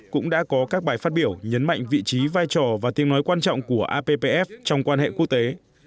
cũng đã có các bài phát biểu nhấn mạnh vị trí vai trò và tiếng nói quan trọng của appf trong quan hệ quốc tế